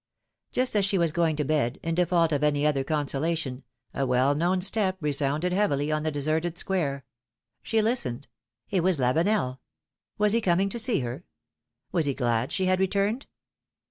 Just as she was going to bed, in default of any other consolation, a well known step resounded heavily on the deserted square. She listened ; it was Lavenel ! Was he coming to see her? Was he glad she had returned?